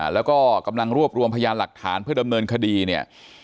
แล้วก็กำลังรวบรวมพยานหลักฐานเพื่อดำเนินคดีเนี่ย